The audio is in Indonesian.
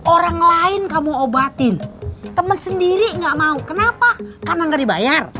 orang lain kamu obatin temen sendiri nggak mau kenapa karena nggak dibayar